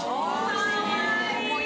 かわいい！